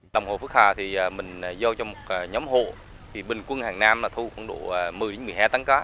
lòng hồ phước hà thì mình do cho một nhóm hộ bình quân hàng nam thu khoảng độ một mươi một mươi hai tăng cá